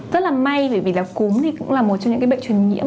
rất là may vì cúm cũng là một trong những bệnh truyền nhiễm